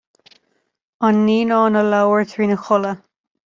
An naíonán a labhair trína chodladh